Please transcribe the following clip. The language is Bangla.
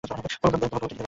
তোমাকে মরতে দিতে পারিনি।